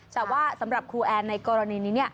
แต่ว่าสำหรับครูแอนในกรณีนี้